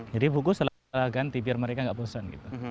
jadi buku saya ganti biar mereka tidak bosan